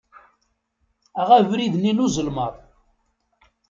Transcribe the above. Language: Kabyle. Aɣ abrid-nni n uzelmaḍ.